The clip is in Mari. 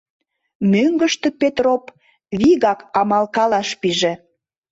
Мӧҥгыштӧ Петроп вигак амалкалаш пиже.